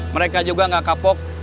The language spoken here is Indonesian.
mereka juga gak kapok